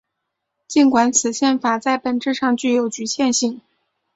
尽管此宪法在本质上具有局限性。